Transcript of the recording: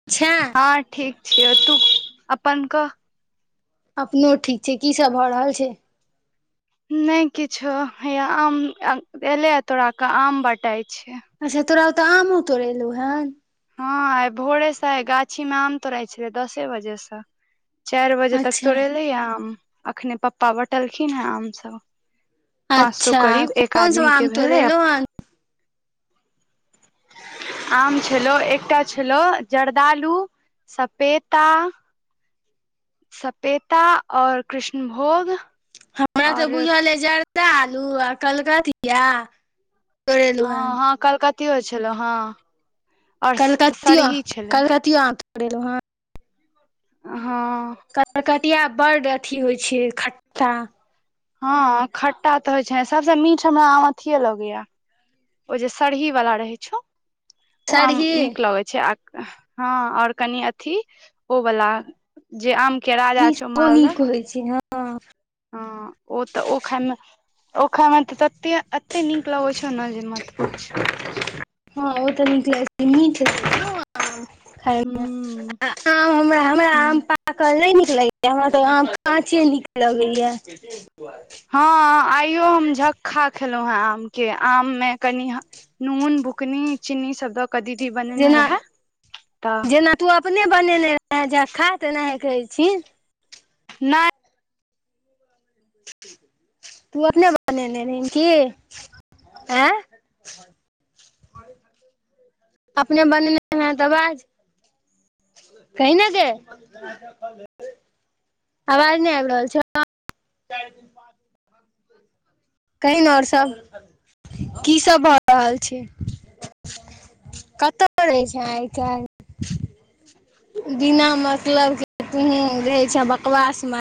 [inaudible] हँ ठीक छियै, तू अपन कह। अपनो ठीक छै, की सब भ रहल छै। नहि किछो, हैया आम एलै हे तोराके आम बँटाइ छै। अच्छा तोरा और के आमो तोरेलौ हे। हँ आइ भोरेसँ गाछी मे आम तोड़ै छलै दसे बजे से। चारि बजे तक अच्छा तोरे लै हे आम, अखने पप्पा बँटलखिन हे आम सभ। पाँच सौ अच्छा करीब एक कोन सब आदमी के आम भेलैये। तोड़ेलौ हन आम छलौ, एकटा छलौ जर्दालु, सपेता सपेता और कृष्णभोग हमरा त और बुझल अछि जर्दिलू आ कलकतिया तोड़ेलौ हँ हन हँ कलकतियो छलहु हँ, और सरही छलै। कोेल हँ [unintelligible] हँ। करकतिया बड अथि होइ छै खट्टा। हँ खट्टा त होइ छै, सबसे मीठ हमरा आम अथिये लगैये। ओ जे सरही वला रहै छौ ओ आम सरही नीक लगैत छै। छै हँ और कनि अथि ओ वला जे आम के राजा छौ मालदह। होँइ छै हं। हँ। हँ ओ त ओखामे ओखामे त तते एते नीक लगै छौ ने जे मत पुछ। हँ ओ त निक लगै छै मीठ। हूं हां हम हमरा हूं आम ताम पाकल नै नीक लगैये हमरा त आम काचे नीक लगैये। हँ आइयो हम झक्खा खेलहुँ हें आम के, आम मे कनि नून बुकनी चीनी सब द के जेना तऽ जेना तू अपने बनेने रहे झक्खा तेनाहे कहै छीही। नै। तू अपने बनेने की आँ। अपने बनने हैं तऽबाज। कई न जा। आवाज नहि आबि रहल छै। कन आओर सभ की सब भऽ रहल छै। कतहु जाै छै आइ काल। बिना मतलब के तुही रहै छ बकवास म।